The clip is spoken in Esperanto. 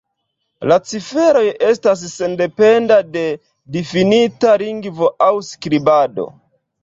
La ciferoj estas sendependa de difinita lingvo aŭ skribado.